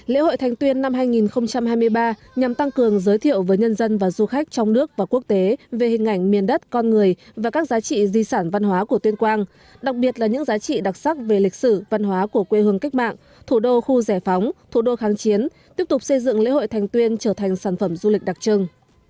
lễ hội thành tuyên năm hai nghìn hai mươi ba nhằm tăng cường giới thiệu với nhân dân và du khách trong nước và quốc tế về hình ảnh miền đất con người và các giá trị di sản văn hóa của tuyên quang đặc biệt là những giá trị đặc sắc về lịch sử văn hóa của quê hương cách mạng thủ đô khu giải phóng thủ đô kháng chiến tiếp tục xây dựng lễ hội thành tuyên trở thành sản phẩm du lịch đặc trưng